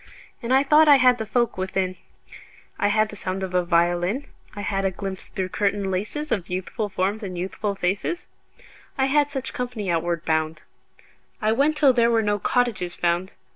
And I thought I had the folk within: I had the sound of a violin; I had a glimpse through curtain laces Of youthful forms and youthful faces. I had such company outward bound. I went till there were no cottages found.